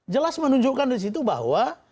jelas menunjukkan di situ bahwa